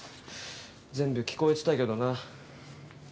全部聞こえてたけどな。